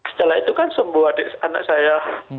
setelah itu kan semua anak saya